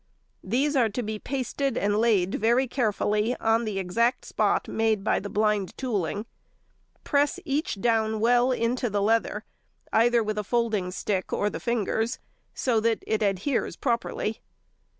These are to be pasted and laid very carefully on the exact spot made by the blind tooling; press each down well into the leather, either with a folding stick or the fingers, so that it adheres properly.